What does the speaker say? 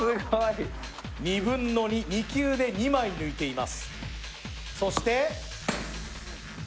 ２分の２、２球で２枚抜いています。